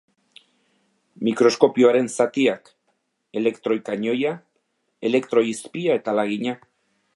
Mikroskopioaren zatiak: Elektroi kanoia, elektroi izpia eta lagina.